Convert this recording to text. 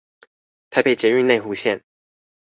臺北捷運內湖線